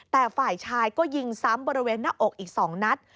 แต่ฝ่ายชายก็ยิงซ้ำบริเวณหน้าอกอีก๒นัด